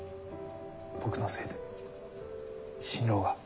僕のせいで心労が。